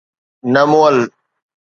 نه مئل